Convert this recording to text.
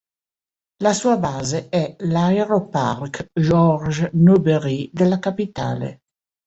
La sua base è l'Aeroparque Jorge Newbery della capitale.